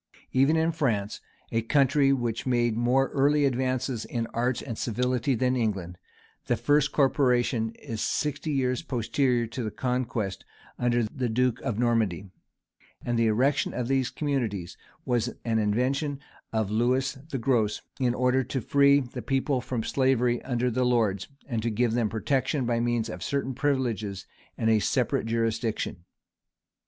Even in France, a country which made more early advances in arts and civility than England, the first corporation is sixty years posterior to the conquest under the duke of Normandy; and the erecting of these communities was an invention of Lewis the Gross, in order to free the people from slavery under the lords, and to give them protection by means of certain privileges and a separate jurisdiction.